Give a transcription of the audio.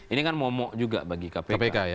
ini kan momok juga bagi kpk